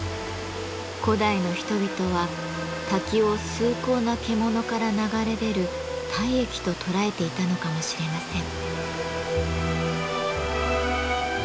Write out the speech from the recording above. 古代の人々は滝を崇高な獣から流れ出る体液と捉えていたのかもしれません。